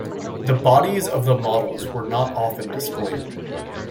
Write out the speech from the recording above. The bodies of the models were not often displayed.